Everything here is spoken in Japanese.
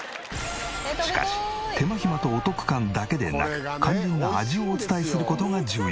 しかし手間暇とお得感だけでなく肝心な味をお伝えする事が重要。